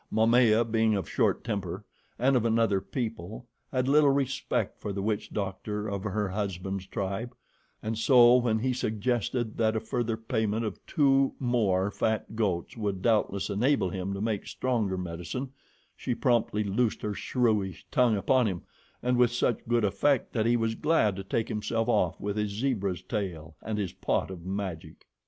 Momaya, being of a short temper and of another people, had little respect for the witch doctor of her husband's tribe, and so, when he suggested that a further payment of two more fat goats would doubtless enable him to make stronger medicine, she promptly loosed her shrewish tongue upon him, and with such good effect that he was glad to take himself off with his zebra's tail and his pot of magic.